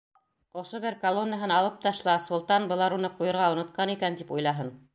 Ошо бер колоннаһын алып ташла, солтан, былар уны ҡуйырға онотҡан икән, тип уйлаһын.